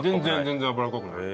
全然脂っこくない。